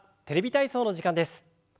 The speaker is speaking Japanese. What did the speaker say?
「テレビ体操」の時間です。